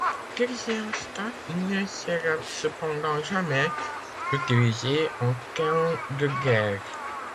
Theresienstadt ne sera cependant jamais utilisée en temps de guerre.